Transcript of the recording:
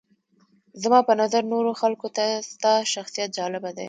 زما په نظر نورو خلکو ته ستا شخصیت جالبه دی.